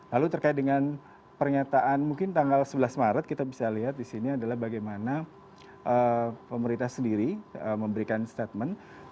lalu terkait dengan pernyataan mungkin tanggal sebelas maret kita bisa lihat di sini adalah bagaimana pemerintah sendiri memberikan statement